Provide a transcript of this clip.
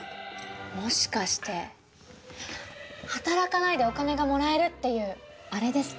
もしかして働かないでお金がもらえるっていうアレですか？